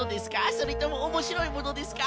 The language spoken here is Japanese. それともおもしろいものですか？